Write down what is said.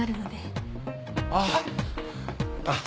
あっ。